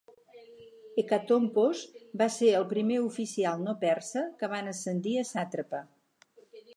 Hecatompos va ser el primer oficial no persa que van ascendir a sàtrapa.